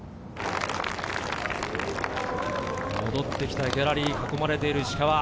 戻ってきたギャラリーに囲まれている石川。